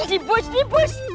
ini bus ini bus